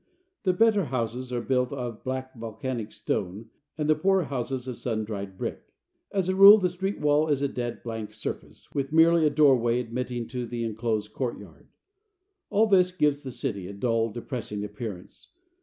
The better houses are built of black volcanic stone and the poorer houses of sun dried brick. As a rule the street wall is a dead blank surface, with merely a doorway admitting to the inclosed courtyard. All this gives the city a dull, depressing appearance.